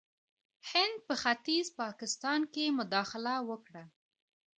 هند په ختیځ پاکستان کې مداخله وکړه.